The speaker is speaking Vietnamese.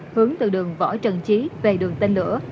hướng từ đường võ trần chí về đường tên lửa